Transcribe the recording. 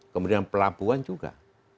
kemudian pelabuhan juga